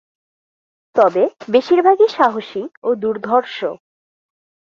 তবে বেশির ভাগই সাহসী ও দুর্ধর্ষ।